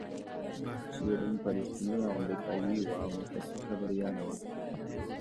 شیرین فلسطینۍ او امریکایۍ وه او مسلکي خبریاله وه.